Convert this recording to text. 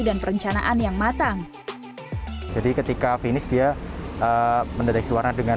dan perencanaan yang matang jadi ketika finish dia mendeteksi warna dengan